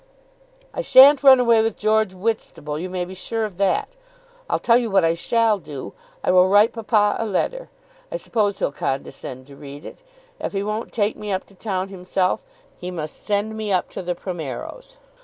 "I shan't run away with George Whitstable; you may be sure of that. I'll tell you what I shall do, I will write papa a letter. I suppose he'll condescend to read it. If he won't take me up to town himself, he must send me up to the Primeros.